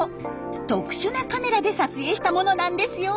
特殊なカメラで撮影したものなんですよ。